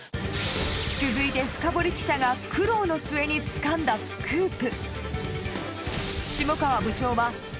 続いてフカボリ記者が苦労の末につかんだスクープ